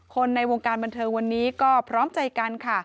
ในวงการบันเทิงวันนี้ก็พร้อมใจกันค่ะ